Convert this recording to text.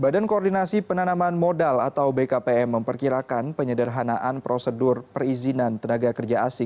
badan koordinasi penanaman modal atau bkpm memperkirakan penyedaran ekonomi yang diperlukan untuk mengembangkan tenaga kerja asing